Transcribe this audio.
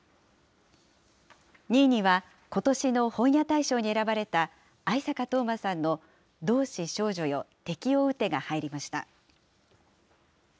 ２位には、ことしの本屋大賞に選ばれた、逢坂冬馬さんの同志少女よ、敵を撃てが入りました。